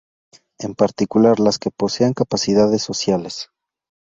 En particular las que posean capacidades sociales.